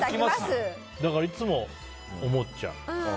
だから、いつも思っちゃう。